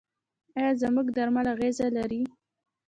آیا زموږ درمل اغیز لري؟